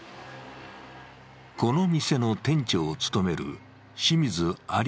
この店の店長を務める清水亜利